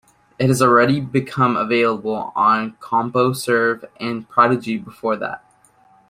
It had already become available on CompuServe and Prodigy before that.